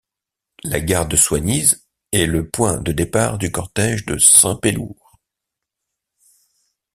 La gare de Soignies est le point de départ du cortège de Simpélourd.